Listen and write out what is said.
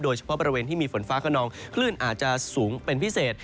โดยเฉพาะบริเวณที่มีฝนฟ้าขนองคลื่นอาจจะสูงเป็นพิเศษ